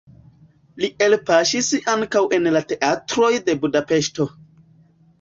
Li elpaŝis ankaŭ en la teatroj de Budapeŝto.